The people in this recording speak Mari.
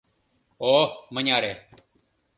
О, мыняре